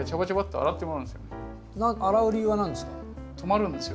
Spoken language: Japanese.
洗う理由は何ですか？